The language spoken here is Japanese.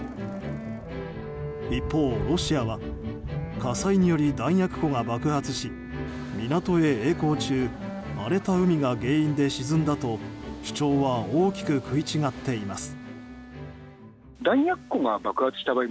一方、ロシアは火災により弾薬庫が爆発し港へ曳航中荒れた海が原因で沈んだと主張は大きく食い違っています。